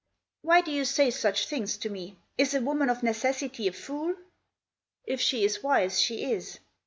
" Why do you say such things to me ? Is a woman of necessity a fool ?" "If she is wise she is.